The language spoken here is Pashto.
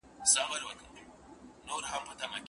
املا د تورو کلیدي عنصر دی.